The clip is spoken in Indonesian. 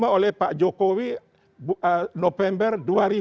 ditambah oleh pak jokowi november dua ribu lima belas